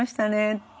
って